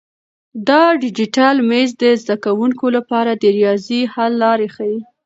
دا ډیجیټل مېز د زده کونکو لپاره د ریاضي حل لارې ښیي.